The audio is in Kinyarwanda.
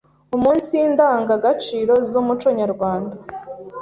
umunsi ndangagaciro z’umuco nyarwanda,